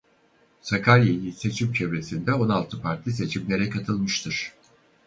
Sakarya ili seçim çevresinde on altı Parti seçimlere katılmıştır.